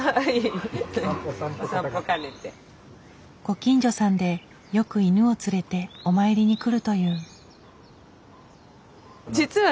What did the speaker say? ご近所さんでよく犬を連れてお参りに来るという。